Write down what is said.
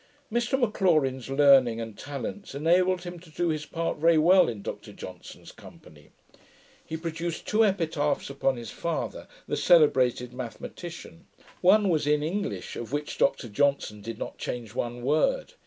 Mr Maclaurin's learning and talents enabled him to do his part very well in Dr Johnson's company. He produced two epitaphs upon his father, the celebrated mathematician. One was in English, of which Dr Johnson did not change one word.